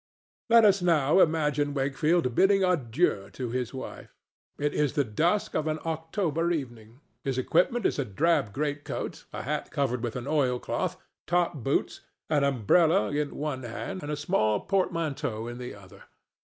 Let us now imagine Wakefield bidding adieu to his wife. It is the dusk of an October evening. His equipment is a drab greatcoat, a hat covered with an oil cloth, top boots, an umbrella in one hand and a small portmanteau in the other.